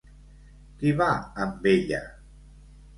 Qui va amb ella?